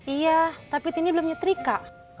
iya tapi tini belum nyetri kak